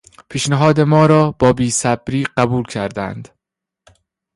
پیشنهاد ما را با بیصبری قبول کردند.